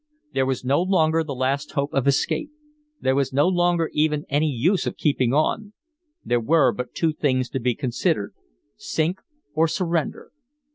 There was no longer the last hope of escape. There was no longer even any use of keeping on. There were but two things to be considered, sink or surrender.